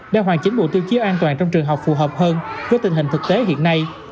để hoàn chính bộ tiêu chí an toàn trong trường học phù hợp hơn với tình hình thực tế hiện nay